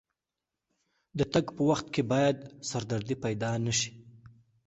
د تګ په وخت کې باید سردردي پیدا نه شي.